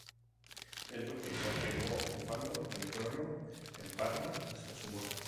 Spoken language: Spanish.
El duque continuó ocupando el trono en Parma hasta su muerte.